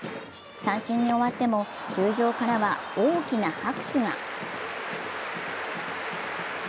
三振に終わっても球場からは大きな拍手が。